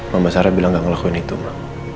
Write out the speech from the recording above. mama sarah bilang gak ngelakuin itu ma